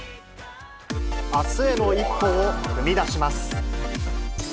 あすへの一歩を踏み出します。